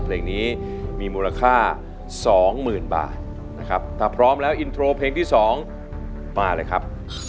เพลงนี้มีมูลค่า๒๐๐๐บาทนะครับถ้าพร้อมแล้วอินโทรเพลงที่๒มาเลยครับ